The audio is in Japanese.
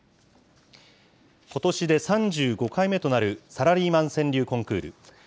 ことしで３５回目となる、サラリーマン川柳コンクール。